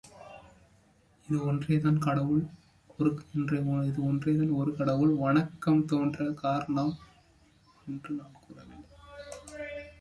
இது ஒன்றேதான் ஒரு கடவுள் வணக்கம் தோன்றக் காரணம் என்று நான் கூறவில்லை.